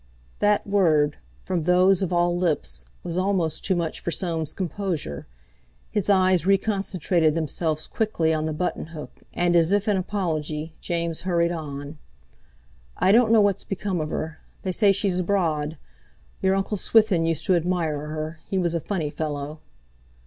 That word, from those of all lips, was almost too much for Soames' composure. His eyes reconcentrated themselves quickly on the buttonhook, and as if in apology James hurried on: "I don't know what's become of her—they say she's abroad. Your Uncle Swithin used to admire her—he was a funny fellow."